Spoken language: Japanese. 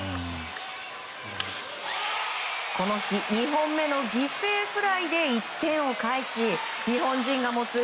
この日、２本目の犠牲フライで１点を返し日本人が持つ